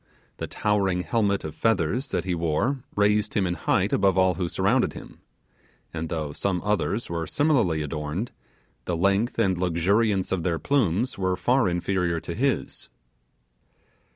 The towering helmet of feathers that he wore raised him in height above all who surrounded him; and though some others were similarly adorned, the length and luxuriance of their plumes were inferior to his.